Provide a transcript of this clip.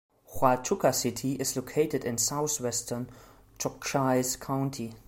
Huachuca City is located in southwestern Cochise County.